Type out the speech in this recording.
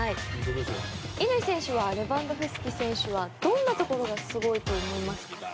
乾選手はレバンドフスキ選手はどんなところがすごいと思いますか？